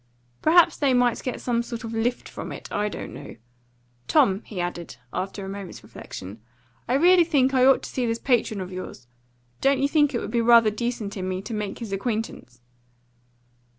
Perhaps they might get some sort of lift from it; I don't know. Tom!" he added, after a moment's reflection. "I really think I ought to see this patron of yours. Don't you think it would be rather decent in me to make his acquaintance?"